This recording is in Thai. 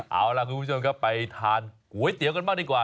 เอาล่ะคุณผู้ชมครับไปทานก๋วยเตี๋ยวกันบ้างดีกว่า